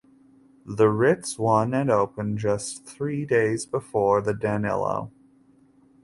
The Ritz won and opened just three days before the Danilo.